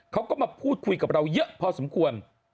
เขาก็มาพูดคุยกับเราเยอะพอสมควร